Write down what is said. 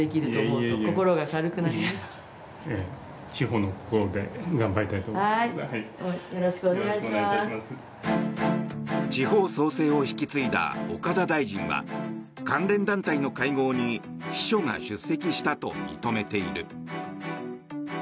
地方創生を引き継いだ岡田大臣は関連団体の会合に秘書が出席したと認めている。